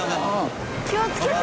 気をつけて！